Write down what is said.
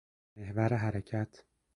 محور حرکت